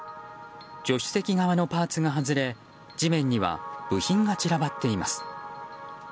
助手席側のパーツが外れ地面には部品が散らばっています。